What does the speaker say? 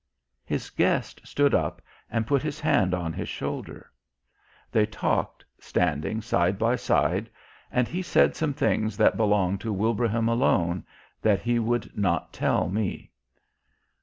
His Guest stood up and put His Hand on his shoulder. They talked, standing side by side, and He said some things that belonged to Wilbraham alone, that he would not tell me.